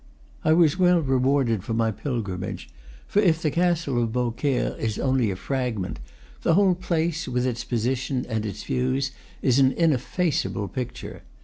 I was well rewarded for my pilgrimage; for if the castle of Beaucaire is only a fragment, the whole place, with its position and its views, is an ineffaceable picture.